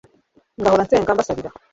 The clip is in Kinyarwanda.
ngahora nsenga mbasabira